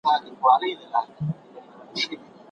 د هرات په کورنیو چارو کي مداخله مه کوئ.